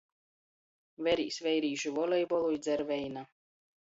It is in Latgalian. Verīs veirīšu volejbolu i dzer veina.